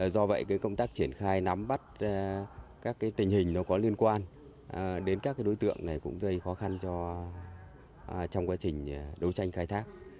do vậy công tác triển khai nắm bắt các tình hình có liên quan đến các đối tượng này cũng gây khó khăn trong quá trình đấu tranh khai thác